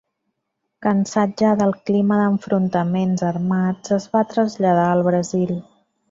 Cansat ja del clima d'enfrontaments armats, es va traslladar al Brasil.